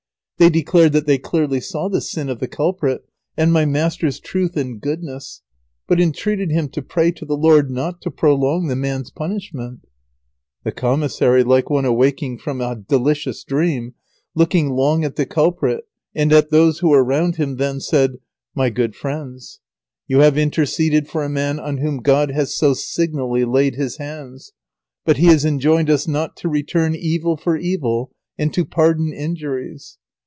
They declared that they clearly saw the sin of the culprit, and my master's truth and goodness, but entreated him to pray to the Lord not to prolong the man's punishment. [Sidenote: All the people pray for the constable to be forgiven.] The commissary, like one awaking from a delicious dream, looking long at the culprit and at those who were round him, then said: "My good friends, you have interceded for a man on whom God has so signally laid his Hands. But He has enjoined us not to return evil for evil, and to pardon injuries.